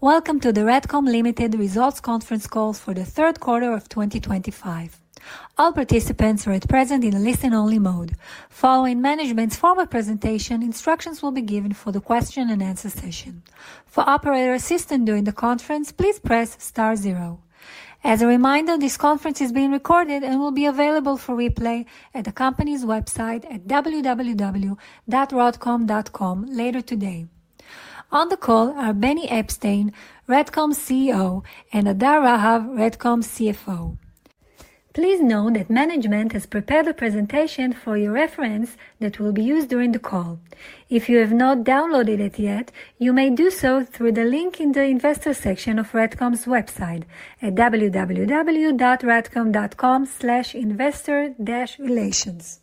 Welcome to the RADCOM Limited Results Conference call for the third quarter of 2025. All participants are at present in a listen-only mode. Following management's formal presentation, instructions will be given for the question-and-answer session. For operator assistance during the conference, please press star zero. As a reminder, this conference is being recorded and will be available for replay at the company's website at www.radcom.com later today. On the call are Benny Eppstein, RADCOM CEO, and Hadar Rahav, RADCOM CFO. Please note that management has prepared a presentation for your reference that will be used during the call. If you have not downloaded it yet, you may do so through the link in the investor section of RADCOM's website at www.radcom.com/investor-relations.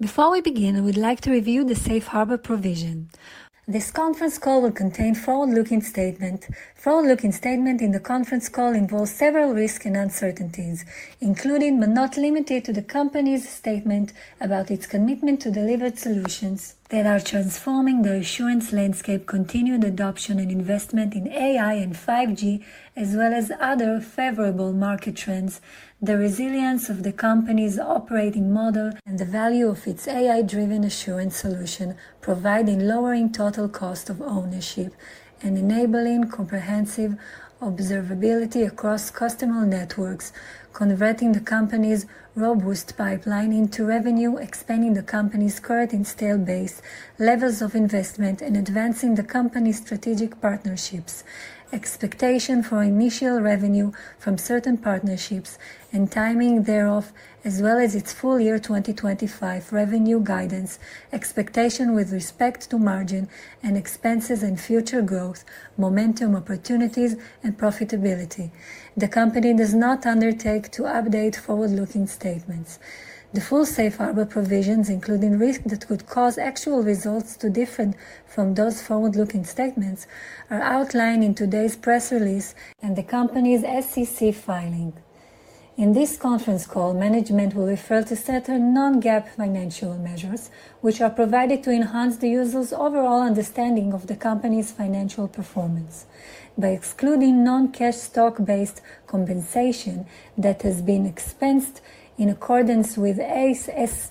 Before we begin, I would like to review the safe harbor provision. This conference call will contain a forward-looking statement. The forward-looking statement in the conference call involves several risks and uncertainties, including but not limited to the company's statement about its commitment to delivered solutions that are transforming the assurance landscape, continued adoption and investment in AI and 5G, as well as other favorable market trends, the resilience of the company's operating model, and the value of its AI-driven assurance solution, providing lowering total cost of ownership and enabling comprehensive observability across customer networks, converting the company's robust pipeline into revenue, expanding the company's current install base levels of investment, and advancing the company's strategic partnerships, expectation for initial revenue from certain partnerships and timing thereof, as well as its full year 2025 revenue guidance, expectation with respect to margin and expenses and future growth, momentum opportunities, and profitability. The company does not undertake to update forward-looking statements. The full safe harbor provisions, including risks that could cause actual results to differ from those forward-looking statements, are outlined in today's press release and the company's SEC filing. In this conference call, management will refer to certain non-GAAP financial measures, which are provided to enhance the user's overall understanding of the company's financial performance. By excluding non-cash stock-based compensation that has been expensed in accordance with ASC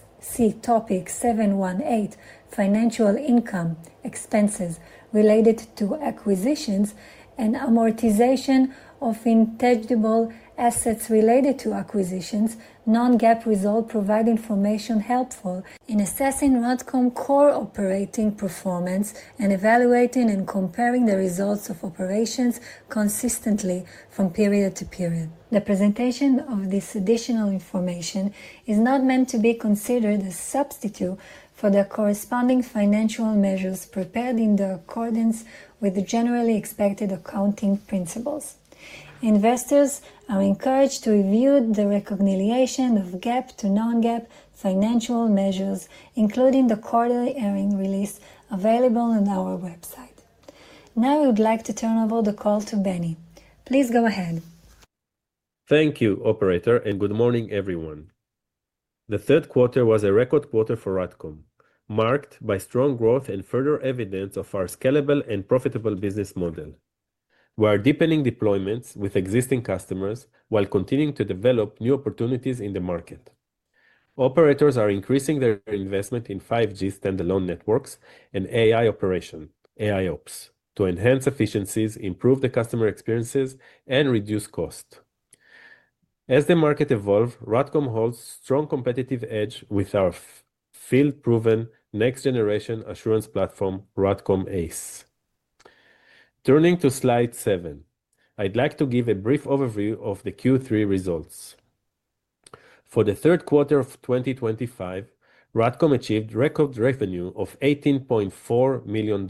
topic 718, financial income expenses related to acquisitions and amortization of intangible assets related to acquisitions, non-GAAP results provide information helpful in assessing RADCOM core operating performance and evaluating and comparing the results of operations consistently from period to period. The presentation of this additional information is not meant to be considered a substitute for the corresponding financial measures prepared in accordance with the generally accepted accounting principles. Investors are encouraged to review the reconciliation of GAAP to non-GAAP financial measures, including the quarterly earnings release available on our website. Now, we would like to turn over the call to Benny. Please go ahead. Thank you, Operator, and good morning, everyone. The third quarter was a record quarter for RADCOM, marked by strong growth and further evidence of our scalable and profitable business model. We are deepening deployments with existing customers while continuing to develop new opportunities in the market. Operators are increasing their investment in 5G standalone networks and AI operation, AIOps, to enhance efficiencies, improve the customer experiences, and reduce cost. As the market evolves, RADCOM holds a strong competitive edge with our field-proven next-generation assurance platform, RADCOM ACE. Turning to slide seven, I'd like to give a brief overview of the Q3 results. For the third quarter of 2025, RADCOM achieved record revenue of $18.4 million,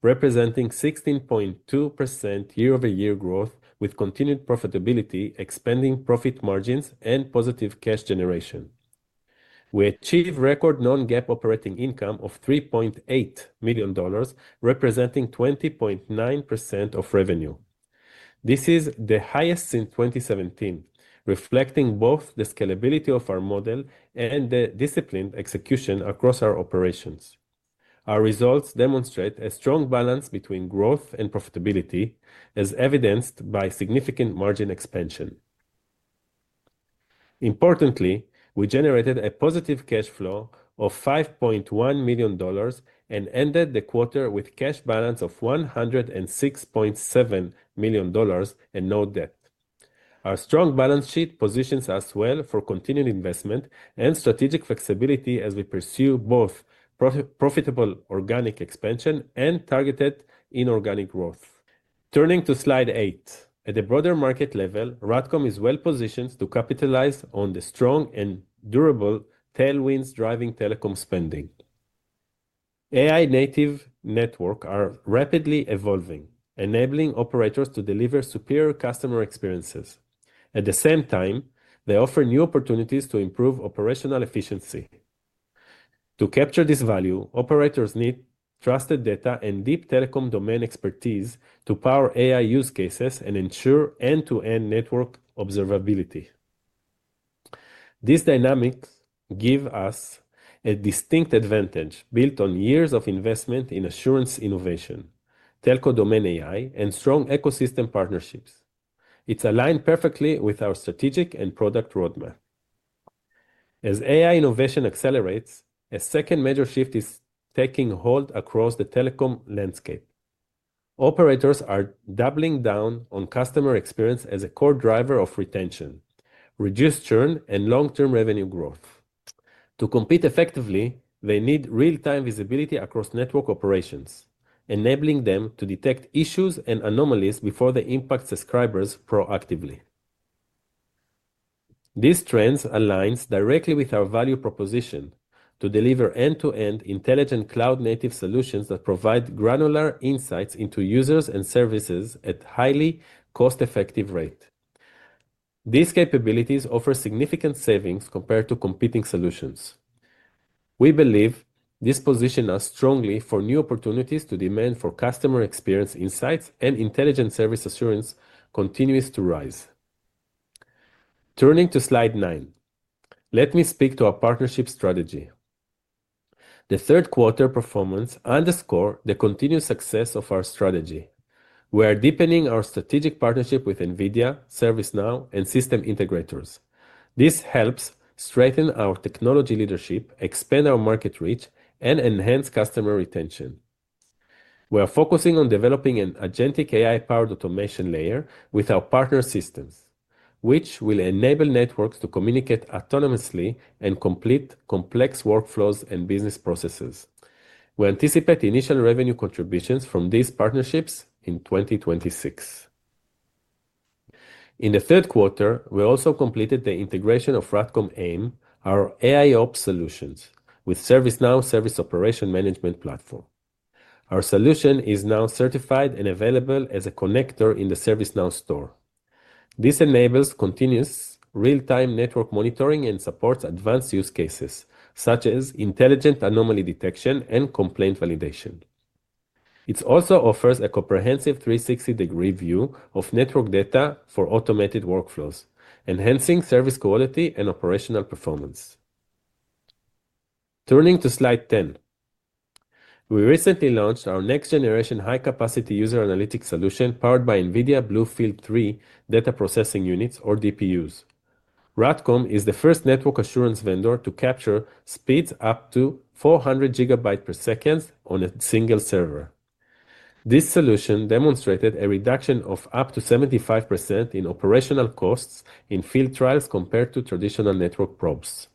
representing 16.2% year-over-year growth with continued profitability, expanding profit margins, and positive cash generation. We achieved record non-GAAP operating income of $3.8 million, representing 20.9% of revenue. This is the highest since 2017, reflecting both the scalability of our model and the disciplined execution across our operations. Our results demonstrate a strong balance between growth and profitability, as evidenced by significant margin expansion. Importantly, we generated a positive cash flow of $5.1 million and ended the quarter with a cash balance of $106.7 million and no debt. Our strong balance sheet positions us well for continued investment and strategic flexibility as we pursue both profitable organic expansion and targeted inorganic growth. Turning to slide eight, at a broader market level, RADCOM is well positioned to capitalize on the strong and durable tailwinds driving telecom spending. AI-native networks are rapidly evolving, enabling operators to deliver superior customer experiences. At the same time, they offer new opportunities to improve operational efficiency. To capture this value, operators need trusted data and deep telecom domain expertise to power AI use cases and ensure end-to-end network observability. These dynamics give us a distinct advantage built on years of investment in assurance innovation, telco domain AI, and strong ecosystem partnerships. It is aligned perfectly with our strategic and product roadmap. As AI innovation accelerates, a second major shift is taking hold across the telecom landscape. Operators are doubling down on customer experience as a core driver of retention, reduced churn, and long-term revenue growth. To compete effectively, they need real-time visibility across network operations, enabling them to detect issues and anomalies before they impact subscribers proactively. These trends align directly with our value proposition to deliver end-to-end intelligent cloud-native solutions that provide granular insights into users and services at a highly cost-effective rate. These capabilities offer significant savings compared to competing solutions. We believe this positions us strongly for new opportunities as demand for customer experience insights and intelligent service assurance continues to rise. Turning to slide nine, let me speak to our partnership strategy. The third quarter performance underscores the continued success of our strategy. We are deepening our strategic partnership with NVIDIA, ServiceNow, and system integrators. This helps strengthen our technology leadership, expand our market reach, and enhance customer retention. We are focusing on developing an agentic AI-powered automation layer with our partner systems, which will enable networks to communicate autonomously and complete complex workflows and business processes. We anticipate initial revenue contributions from these partnerships in 2026. In the third quarter, we also completed the integration of RADCOM Amir, our AIOps solutions, with ServiceNow Service Operations Management Platform. Our solution is now certified and available as a connector in the ServiceNow Store. This enables continuous real-time network monitoring and supports advanced use cases such as intelligent anomaly detection and complaint validation. It also offers a comprehensive 360-degree view of network data for automated workflows, enhancing service quality and operational performance. Turning to slide ten, we recently launched our next-generation high-capacity user analytics solution powered by NVIDIA BlueField 3 data processing units, or DPUs. RADCOM is the first network assurance vendor to capture speeds up to 400 gigabits per second on a single server. This solution demonstrated a reduction of up to 75% in operational costs in field trials compared to traditional network probes.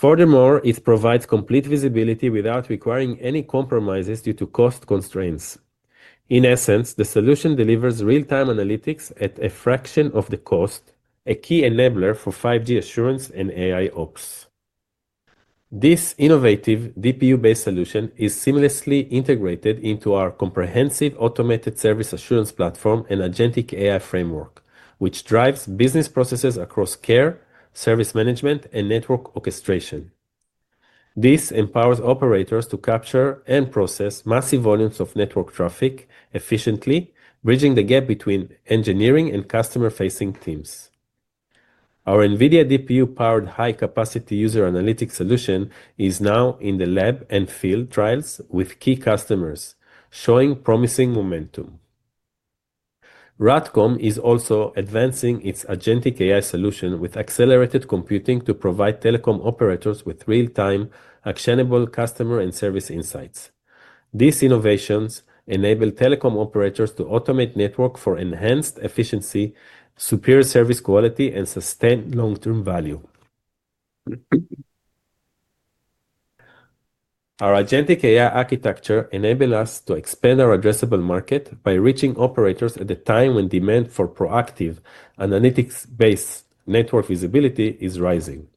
Furthermore, it provides complete visibility without requiring any compromises due to cost constraints. In essence, the solution delivers real-time analytics at a fraction of the cost, a key enabler for 5G assurance and AIOps. This innovative DPU-based solution is seamlessly integrated into our comprehensive automated service assurance platform and agentic AI framework, which drives business processes across care, service management, and network orchestration. This empowers operators to capture and process massive volumes of network traffic efficiently, bridging the gap between engineering and customer-facing teams. Our NVIDIA DPU-powered high-capacity user analytics solution is now in the lab and field trials with key customers, showing promising momentum. RADCOM is also advancing its agentic AI solution with accelerated computing to provide telecom operators with real-time actionable customer and service insights. These innovations enable telecom operators to automate network for enhanced efficiency, superior service quality, and sustained long-term value. Our agentic AI architecture enables us to expand our addressable market by reaching operators at a time when demand for proactive analytics-based network visibility is rising.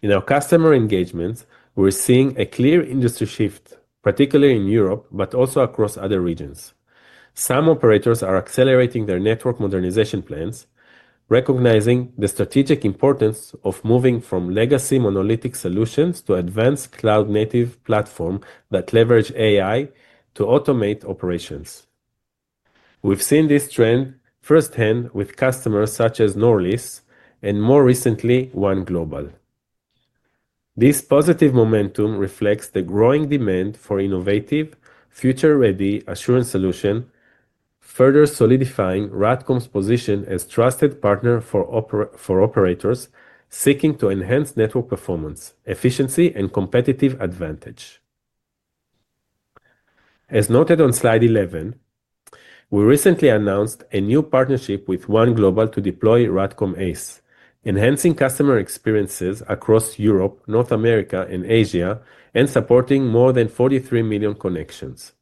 In our customer engagements, we're seeing a clear industry shift, particularly in Europe, but also across other regions. Some operators are accelerating their network modernization plans, recognizing the strategic importance of moving from legacy monolithic solutions to advanced cloud-native platforms that leverage AI to automate operations. We've seen this trend firsthand with customers such as Norlys and, more recently, OneGlobal. This positive momentum reflects the growing demand for innovative, future-ready assurance solutions, further solidifying RADCOM's position as a trusted partner for operators seeking to enhance network performance, efficiency, and competitive advantage. As noted on slide 11, we recently announced a new partnership with OneGlobal to deploy RADCOM ACE, enhancing customer experiences across Europe, North America, and Asia, and supporting more than 43 million connections.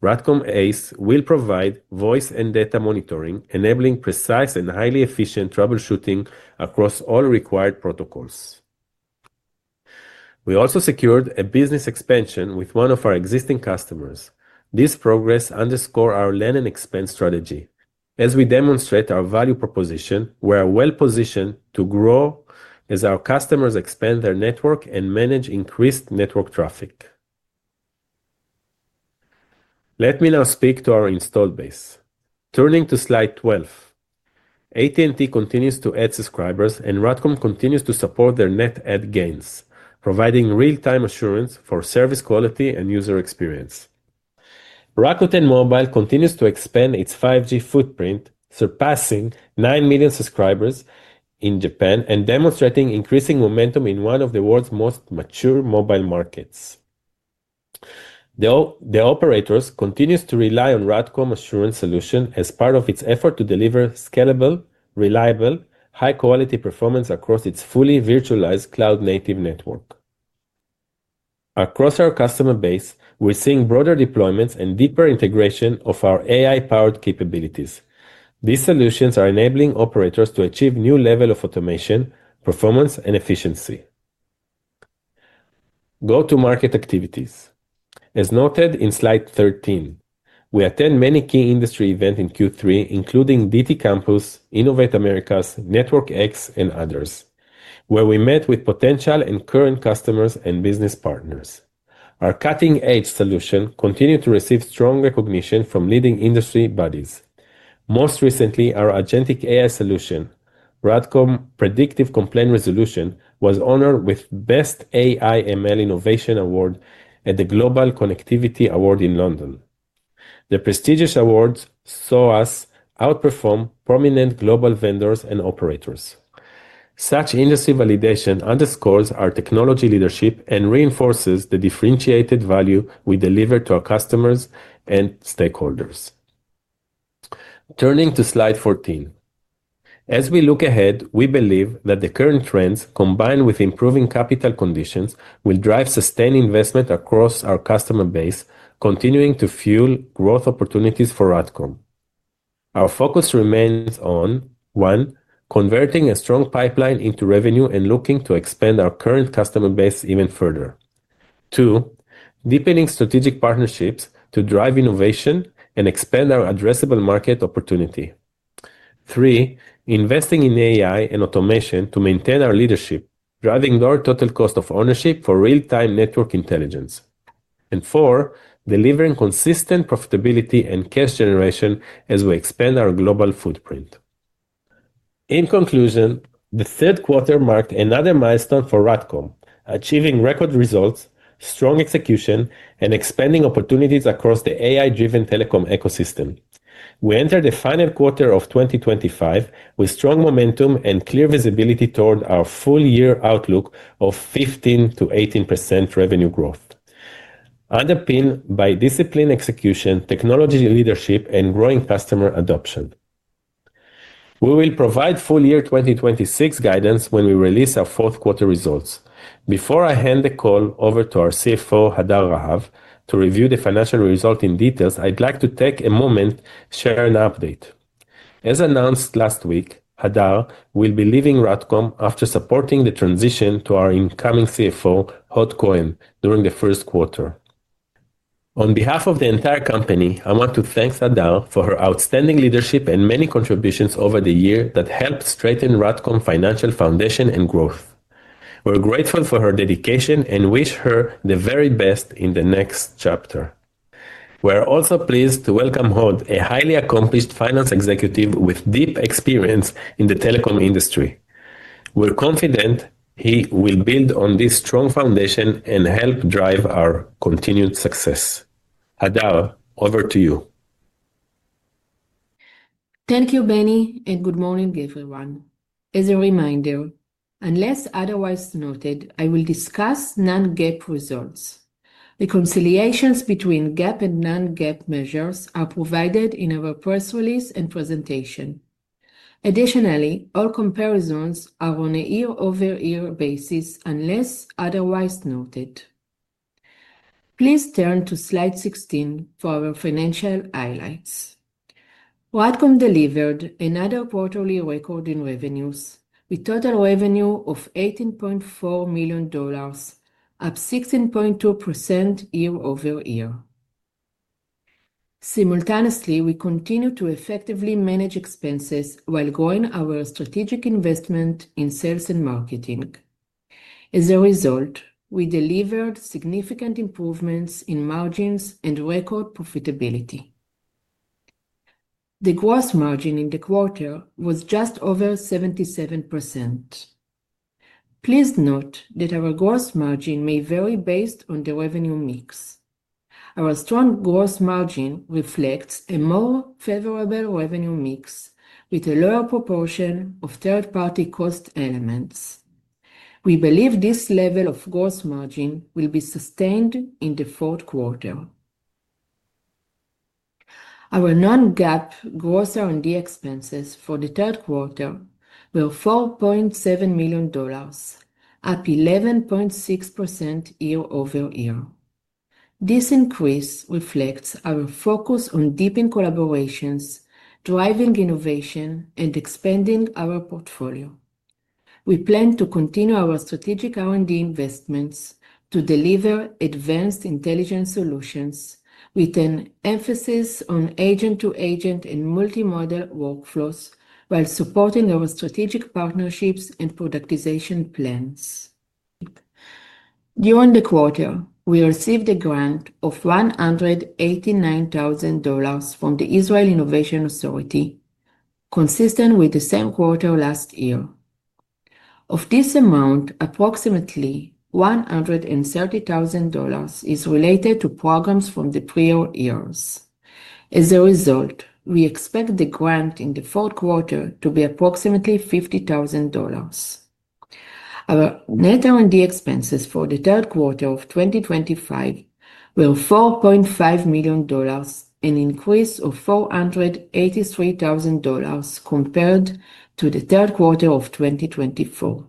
RADCOM ACE will provide voice and data monitoring, enabling precise and highly efficient troubleshooting across all required protocols. We also secured a business expansion with one of our existing customers. This progress underscores our lean and expense strategy. As we demonstrate our value proposition, we are well positioned to grow as our customers expand their network and manage increased network traffic. Let me now speak to our installed base. Turning to slide 12, AT&T continues to add subscribers, and RADCOM continues to support their net add gains, providing real-time assurance for service quality and user experience. Rakuten Mobile continues to expand its 5G footprint, surpassing 9 million subscribers in Japan and demonstrating increasing momentum in one of the world's most mature mobile markets. The operators continue to rely on RADCOM Assurance Solution as part of its effort to deliver scalable, reliable, high-quality performance across its fully virtualized cloud-native network. Across our customer base, we're seeing broader deployments and deeper integration of our AI-powered capabilities. These solutions are enabling operators to achieve new levels of automation, performance, and efficiency. Go-to-market activities. As noted in slide 13, we attend many key industry events in Q3, including DT Campus, Innovate Americas, Network X, and others, where we met with potential and current customers and business partners. Our cutting-edge solution continues to receive strong recognition from leading industry bodies. Most recently, our agentic AI solution, RADCOM Predictive Complaint Resolution, was honored with Best AI/ML Innovation Award at the Global Connectivity Award in London. The prestigious awards saw us outperform prominent global vendors and operators. Such industry validation underscores our technology leadership and reinforces the differentiated value we deliver to our customers and stakeholders. Turning to slide 14, as we look ahead, we believe that the current trends, combined with improving capital conditions, will drive sustained investment across our customer base, continuing to fuel growth opportunities for RADCOM. Our focus remains on: one, converting a strong pipeline into revenue and looking to expand our current customer base even further; two, deepening strategic partnerships to drive innovation and expand our addressable market opportunity; three, investing in AI and automation to maintain our leadership, driving lower total cost of ownership for real-time network intelligence; and four, delivering consistent profitability and cash generation as we expand our global footprint. In conclusion, the third quarter marked another milestone for RADCOM, achieving record results, strong execution, and expanding opportunities across the AI-driven telecom ecosystem. We entered the final quarter of 2025 with strong momentum and clear visibility toward our full-year outlook of 15%-18% revenue growth, underpinned by disciplined execution, technology leadership, and growing customer adoption. We will provide full-year 2026 guidance when we release our fourth quarter results. Before I hand the call over to our CFO, Hadar Rahav, to review the financial result in detail, I'd like to take a moment to share an update. As announced last week, Hadar will be leaving RADCOM after supporting the transition to our incoming CFO, Hod Kohen, during the first quarter. On behalf of the entire company, I want to thank Hadar for her outstanding leadership and many contributions over the year that helped strengthen RADCOM's financial foundation and growth. We're grateful for her dedication and wish her the very best in the next chapter. We're also pleased to welcome Hod, a highly accomplished finance executive with deep experience in the telecom industry. We're confident he will build on this strong foundation and help drive our continued success. Hadar, over to you. Thank you, Benny, and good morning, everyone. As a reminder, unless otherwise noted, I will discuss non-GAAP results. The conciliations between GAAP and non-GAAP measures are provided in our press release and presentation. Additionally, all comparisons are on a year-over-year basis unless otherwise noted. Please turn to slide 16 for our financial highlights. RADCOM delivered another quarterly record in revenues, with total revenue of $18.4 million, up 16.2% year-over-year. Simultaneously, we continue to effectively manage expenses while growing our strategic investment in sales and marketing. As a result, we delivered significant improvements in margins and record profitability. The gross margin in the quarter was just over 77%. Please note that our gross margin may vary based on the revenue mix. Our strong gross margin reflects a more favorable revenue mix with a lower proportion of third-party cost elements. We believe this level of gross margin will be sustained in the fourth quarter. Our non-GAAP gross R&D expenses for the third quarter were $4.7 million, up 11.6% year-over-year. This increase reflects our focus on deepened collaborations, driving innovation, and expanding our portfolio. We plan to continue our strategic R&D investments to deliver advanced intelligence solutions with an emphasis on agent-to-agent and multi-model workflows while supporting our strategic partnerships and productization plans. During the quarter, we received a grant of $189,000 from the Israel Innovation Authority, consistent with the same quarter last year. Of this amount, approximately $130,000 is related to programs from the prior years. As a result, we expect the grant in the fourth quarter to be approximately $50,000. Our net R&D expenses for the third quarter of 2025 were $4.5 million, an increase of $483,000 compared to the third quarter of 2024.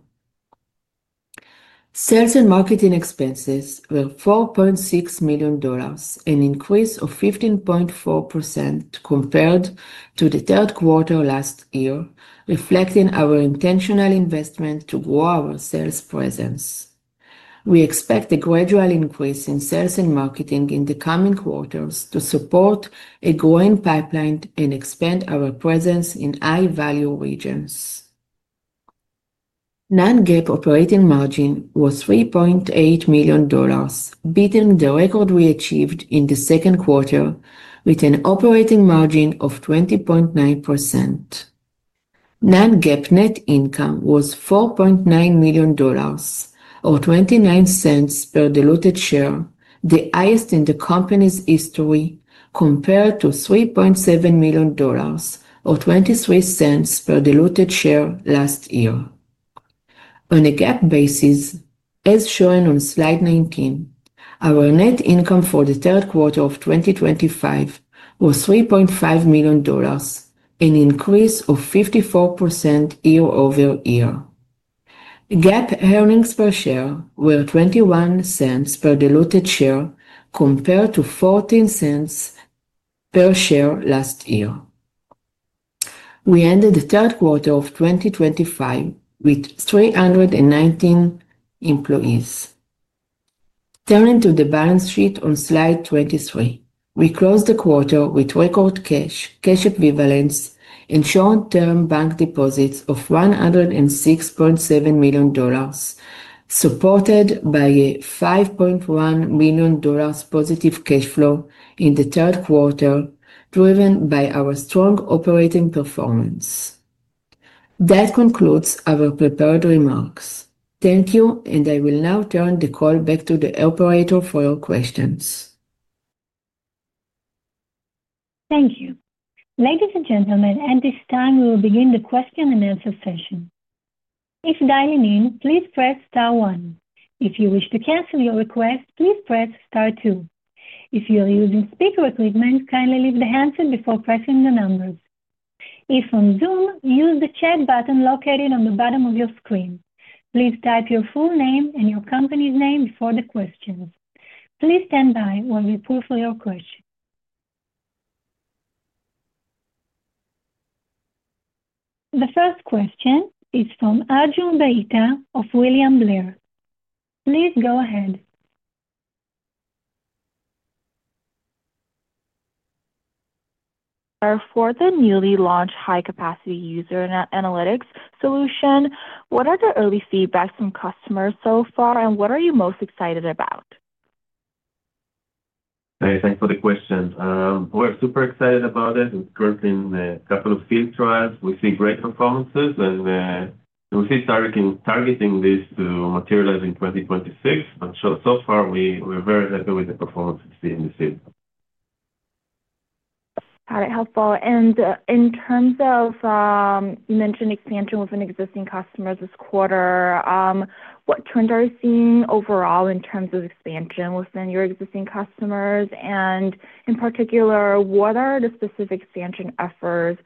Sales and marketing expenses were $4.6 million, an increase of 15.4% compared to the third quarter last year, reflecting our intentional investment to grow our sales presence. We expect a gradual increase in sales and marketing in the coming quarters to support a growing pipeline and expand our presence in high-value regions. Non-GAAP operating margin was $3.8 million, beating the record we achieved in the second quarter with an operating margin of 20.9%. Non-GAAP net income was $4.9 million, or $0.29 per diluted share, the highest in the company's history compared to $3.7 million, or $0.23 per diluted share last year. On a GAAP basis, as shown on slide 19, our net income for the third quarter of 2025 was $3.5 million, an increase of 54% year-over-year. GAAP earnings per share were $0.21 per diluted share compared to $0.14 per share last year. We ended the third quarter of 2025 with 319 employees. Turning to the balance sheet on slide 23, we closed the quarter with record cash equivalents and short-term bank deposits of $106.7 million, supported by a $5.1 million positive cash flow in the third quarter, driven by our strong operating performance. That concludes our prepared remarks. Thank you, and I will now turn the call back to the operator for your questions. Thank you. Ladies and gentlemen, at this time, we will begin the question and answer session. If dialing in, please press star one. If you wish to cancel your request, please press star two. If you are using speaker equipment, kindly leave the handset before pressing the numbers. If on Zoom, use the chat button located on the bottom of your screen. Please type your full name and your company's name before the questions. Please stand by while we pull for your question. The first question is from Arjun Bhatia of William Blair. Please go ahead. Our fourth and newly launched high-capacity user analytics solution, what are the early feedbacks from customers so far, and what are you most excited about? Thanks for the question. We're super excited about it. It's currently in a couple of field trials. We see great performances, and we're targeting this to materialize in 2026. So far, we're very happy with the performance we've seen this year. All right, helpful. In terms of you mentioned expansion with an existing customer this quarter, what trends are you seeing overall in terms of expansion within your existing customers? In particular, what are the specific expansion efforts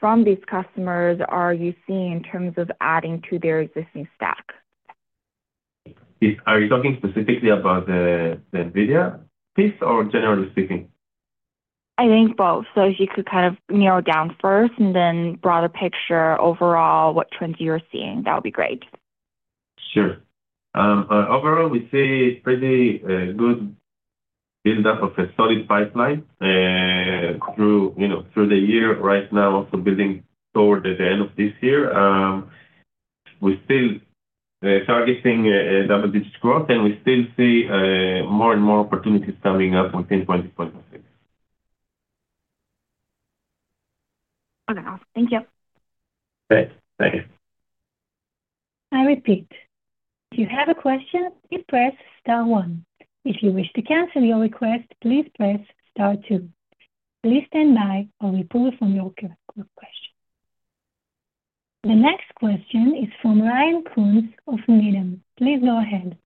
from these customers you see in terms of adding to their existing stack? Are you talking specifically about the NVIDIA piece or generally speaking? I think both. If you could kind of narrow down first and then broader picture overall, what trends you're seeing, that would be great. Sure. Overall, we see a pretty good build-up of a solid pipeline through the year. Right now, also building toward the end of this year. We're still targeting double-digit growth, and we still see more and more opportunities coming up within 2026. Okay, awesome. Thank you. Great.Thanks. I repeat, if you have a question, please press star one. If you wish to cancel your request, please press star two. Please stand by while we pull from your question. The next question is from Ryan Koontz of Needham. Please go ahead.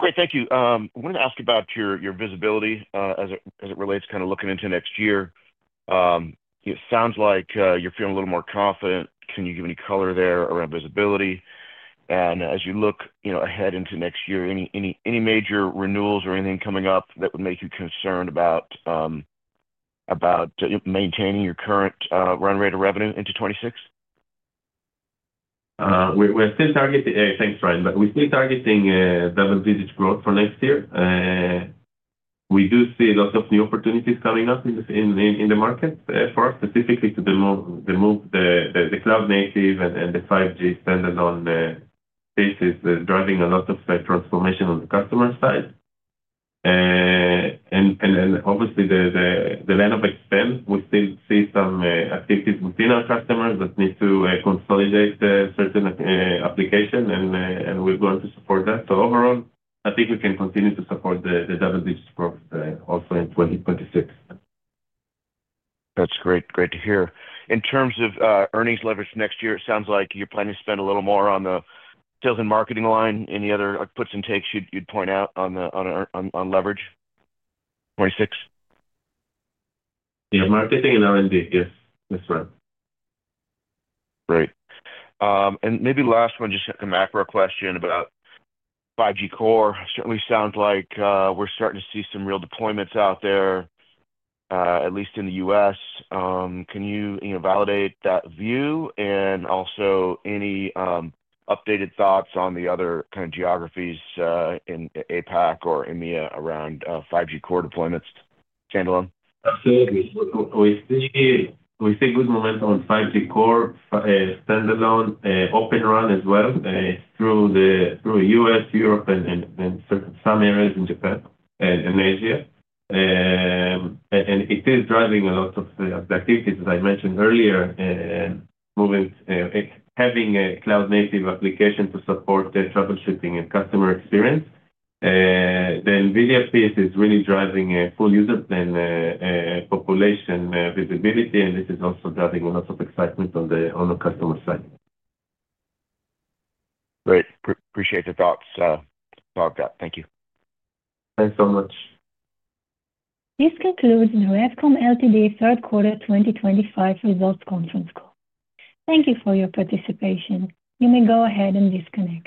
Great, thank you. I wanted to ask about your visibility as it relates to kind of looking into next year. It sounds like you're feeling a little more confident. Can you give any color there around visibility? As you look ahead into next year, any major renewals or anything coming up that would make you concerned about maintaining your current run rate of revenue into 2026? We're still targeting—thanks, Ryan—we're still targeting double-digit growth for next year. We do see lots of new opportunities coming up in the market for us, specifically to move the cloud-native and the 5G-dependent on bases, driving a lot of transformation on the customer side. Obviously, the line of expense, we still see some activities within our customers that need to consolidate certain applications, and we're going to support that. Overall, I think we can continue to support the double-digit growth also in 2026. That's great. Great to hear. In terms of earnings leverage next year, it sounds like you're planning to spend a little more on the sales and marketing line. Any other puts and takes you'd point out on leverage '26? Yeah, marketing and R&D, yes. That's right. Great. Maybe last one, just a macro question about 5G Core. Certainly sounds like we're starting to see some real deployments out there, at least in the U.S. Can you validate that view? Also any updated thoughts on the other kind of geographies in APAC or EMEA around 5G Core deployments standalone? Absolutely. We see good momentum on 5G Core, standalone, Open RAN as well through the U.S., Europe, and some areas in Japan and Asia. It is driving a lot of the activities, as I mentioned earlier, having a cloud-native application to support the troubleshooting and customer experience. The NVIDIA piece is really driving a full user plane population visibility, and this is also driving a lot of excitement on the customer side. Great. Appreciate the thoughts. Thank you. Thanks so much. This concludes the RADCOM third quarter 2025 results conference call. Thank you for your participation. You may go ahead and disconnect.